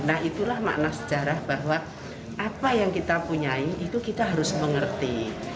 nah itulah makna sejarah bahwa apa yang kita punyai itu kita harus mengerti